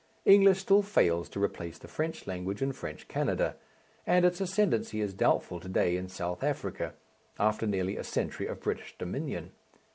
English still fails to replace the French language in French Canada, and its ascendency is doubtful to day in South Africa, after nearly a century of British dominion.